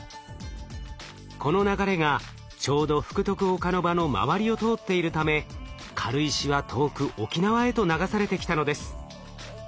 この流れがちょうど福徳岡ノ場の周りを通っているため軽石は遠く沖縄へと流されてきたのです。